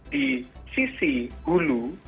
di sisi ulu